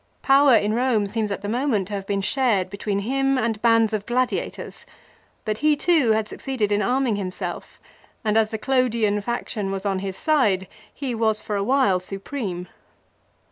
Power in Eome seems at the moment to have been shared between him and bands of gladiators ; but he too had suc ceeded in arming himself, and as the Clodian faction was on his side he was, for a while, supreme.